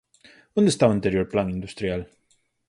¿Onde está o anterior Plan industrial?